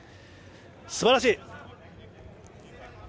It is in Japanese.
すばらしい！